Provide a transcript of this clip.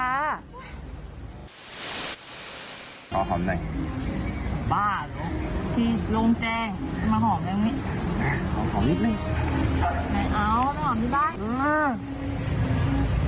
กินครั้งฟ้าย็ุ่อยได้ขอหอมนานละ